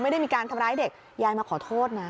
ไม่ได้มีการทำร้ายเด็กยายมาขอโทษนะ